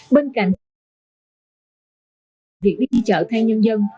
bên cạnh việc đi chợ thay nhân dân